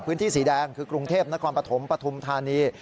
พื้นที่สีแดงคือกรุงเทพนครปฐมปฐุมธานี